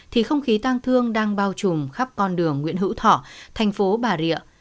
thì không khí tăng thương đang bao trùm khắp con đường nguyễn hữu thỏ thành phố bà rịa